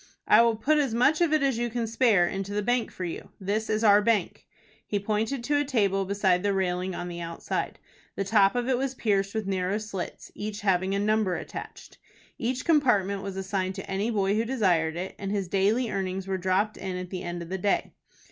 "I will put as much of it as you can spare into the bank for you. This is our bank." He pointed to a table beside the railing on the outside. The top of it was pierced with narrow slits, each having a number attached. Each compartment was assigned to any boy who desired it, and his daily earnings were dropped in at the end of the day.